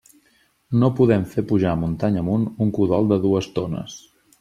No podem fer pujar muntanya amunt un cudol de dues tones.